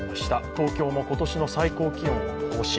東京も今年の最高気温を更新。